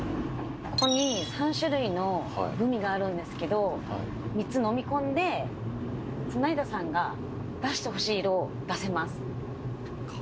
ここに３種類のグミがあるんですけど３つのみ込んで成田さんが出してほしい色を出せます。